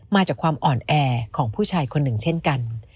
มาจากความอ่อนแอของผู้ชายคนหนึ่งเช่นกัน